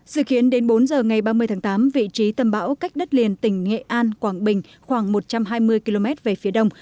dự kiến đến bốn giờ ngày ba mươi tháng tám vị trí tầm bão cách đất liền tỉnh nghệ an quảng bình khoảng một trăm hai mươi km về phía đông